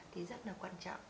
thì rất là quan trọng